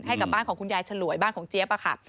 ให้กับบ้านของคุณยายฉลวยบ้านของเจี๊ยบค่ะ